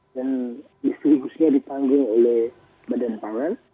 dan distribusinya dipanggil oleh badan pangan